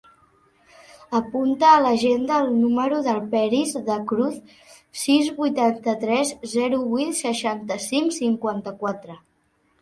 Apunta a l'agenda el número del Peris Da Cruz: sis, vuitanta-tres, zero, vuit, seixanta-cinc, cinquanta-quatre.